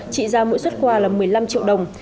trị giá mỗi xuất quà là một mươi năm triệu đồng